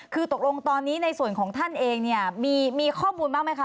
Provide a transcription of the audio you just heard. คือตกลงตอนนี้ในส่วนของท่านเองเนี่ยมีข้อมูลบ้างไหมคะ